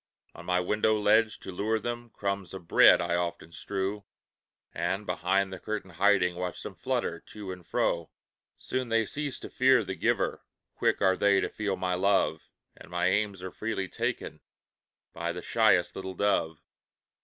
On my window ledge, to lure them, Crumbs of bread I often strew, And, behind the curtain hiding, Watch them flutter to and fro. Soon they cease to fear the giver, Quick are they to feel my love, And my alms are freely taken By the shyest little dove.